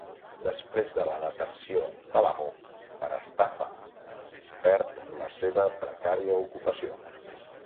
Després de la detenció de l'amo per estafa perd la seva precària ocupació.